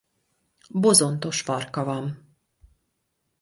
Bozontos farka van.